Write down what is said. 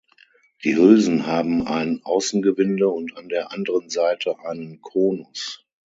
Die Hülsen haben ein Außengewinde und an der anderen Seite einen Konus.